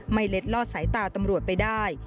เล็ดลอดสายตาตำรวจไปได้